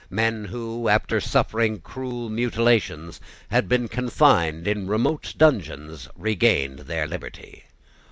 Men who, after suffering cruel mutilations, had been confined in remote dungeons, regained their liberty.